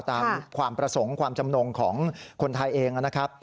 ความประสงค์ความจำนงของคนไทยเองนะครับ